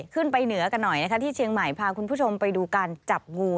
เหนือกันหน่อยนะคะที่เชียงใหม่พาคุณผู้ชมไปดูการจับงู